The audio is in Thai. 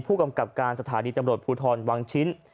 ผู้กำกับการสถานีตำรวจภูทรวังชิ้น